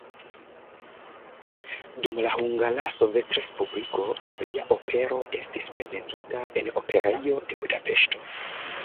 Dum la Hungara Sovetrespubliko lia opero estis prezentita en Operejo de Budapeŝto.